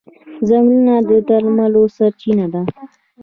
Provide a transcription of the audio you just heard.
ځنګل د درملو سرچینه ده.